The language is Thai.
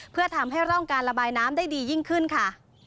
เพื่อทำให้ร่องการระบายน้ำได้ดียิ่งขึ้นค่ะ